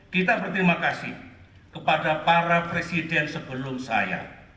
kita berterima kasih kepada para presiden sebelum saya